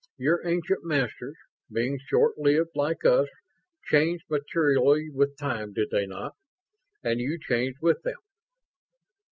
"Your ancient Masters, being short lived like us, changed materially with time, did they not? And you changed with them?"